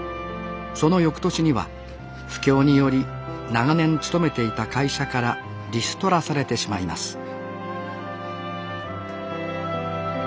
その翌年には不況により長年勤めていた会社からリストラされてしまいます